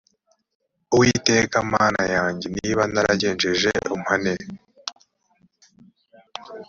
uwiteka mana yanjye niba naragenjeje umpane